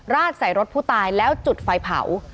ใส่รถผู้ตายแล้วจุดไฟเผา